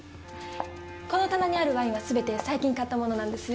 この棚にあるワインはすべて最近買ったものなんですよ。